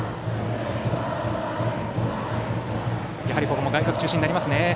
ここも外角中心になりますね。